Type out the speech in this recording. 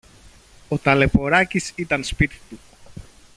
Ο Ταλαιπωράκης ήταν σπίτι του.